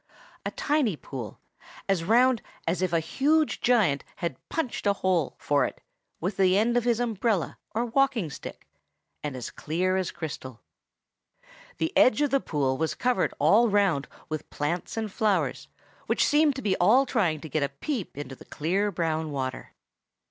A tiny pool, as round as if a huge giant had punched a hole for it with the end of his umbrella or walking stick, and as clear as crystal. The edge of the pool was covered all round with plants and flowers, which seemed all to be trying to get a peep into the clear brown water.